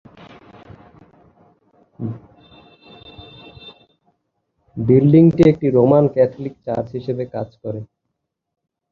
বিল্ডিংটি এখন Roman Catholic church হিসাবে কাজ করে।